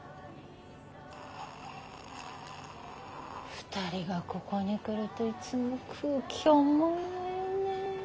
２人がここに来るといつも空気重いわよね。